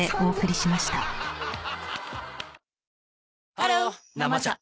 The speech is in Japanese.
ハロー「生茶」